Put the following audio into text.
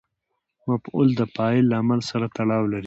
مفعول د فاعل له عمل سره تړاو لري.